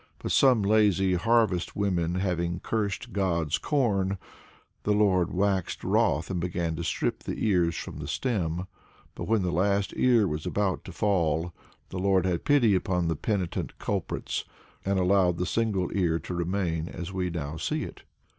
But some lazy harvest women having cursed "God's corn," the Lord waxed wroth and began to strip the ears from the stem. But when the last ear was about to fall, the Lord had pity upon the penitent culprits, and allowed the single ear to remain as we now see it.